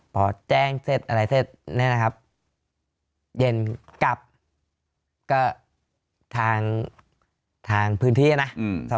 พอแจ้งเศษอะไรเศษนั่นนะครับเย็นกลับก็ทางทางพื้นที่นะอืม